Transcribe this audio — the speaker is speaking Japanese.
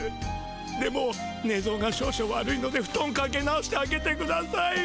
でもねぞうが少々悪いのでふとんかけ直してあげてください。